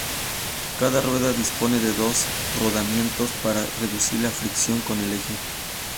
Cada rueda dispone de dos rodamientos para reducir la fricción con el eje.